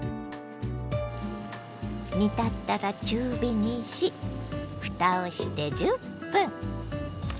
煮立ったら中火にしふたをして１０分。